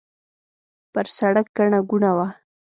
پر سړک ګڼه ګوڼه وه.